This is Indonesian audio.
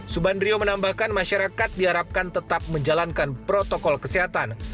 subandrio menambahkan masyarakat diharapkan tetap menjalankan protokol kesehatan